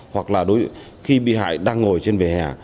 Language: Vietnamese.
hoặc là khi bị hại đang ngồi trên vỉa hè